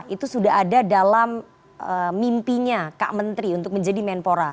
itu sudah ada dalam mimpinya kak menteri untuk menjadi menpora